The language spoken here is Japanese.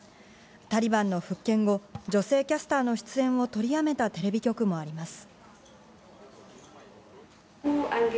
タリバンの復権後、女性キャスターの出演を取りやめたテレビ局もあります。